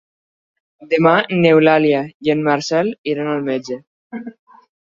Demà n'Eulàlia i en Marcel iran al metge.